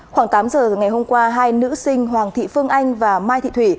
khoảng tám giờ ngày hôm qua hai nữ sinh hoàng thị phương anh và mai thị thủy